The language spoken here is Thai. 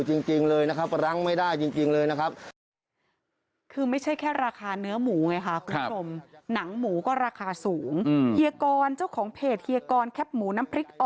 จริงเลยนะครับรั้งไม่ได้จริงเลยนะครับ